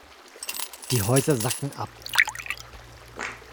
Die Häuser sacken ab.